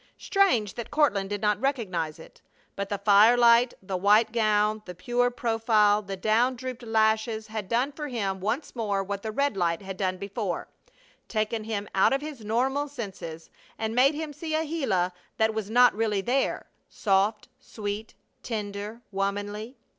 Strange that Courtland did not recognize it. But the firelight, the white gown, the pure profile, the down drooped lashes had done for him once more what the red light had done before taken him out of his normal senses and made him see a Gila that was not really there: soft, sweet, tender, womanly.